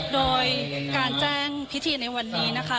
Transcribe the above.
โดยการแจ้งพิธีในวันนี้นะคะ